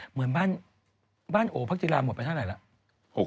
เหมือนบ้านบ้านโอภักษณียราหมดไปเท่าไหร่แล้ว